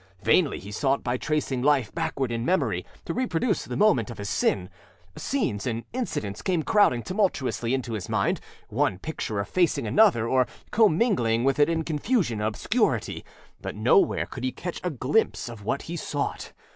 Vainly he sought by tracing life backward in memory, to reproduce the moment of his sin; scenes and incidents came crowding tumultuously into his mind, one picture effacing another, or commingling with it in confusion and obscurity, but nowhere could he catch a glimpse of what he sought.